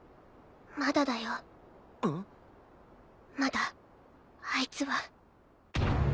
まだあいつは。